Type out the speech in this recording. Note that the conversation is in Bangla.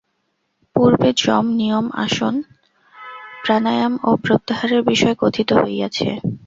পূর্বে যম, নিয়ম, আসন, প্রাণায়াম ও প্রত্যাহারের বিষয় কথিত হইয়াছে।